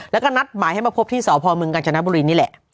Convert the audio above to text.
แล้วก็นัดหมายให้มาพบที่สพมกาญจนบุรีนี่แหละ